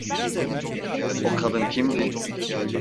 O kadın kimdi?